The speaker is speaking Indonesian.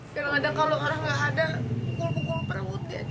kalau ada kalau orang nggak ada pukul pukul perut dia